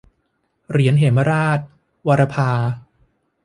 เหรียญเหมราช - วราภา